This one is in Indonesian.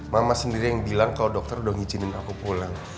mama sendiri yang bilang kalau dokter udah ngizinin aku pulang